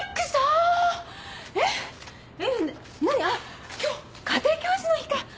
あっ今日家庭教師の日か！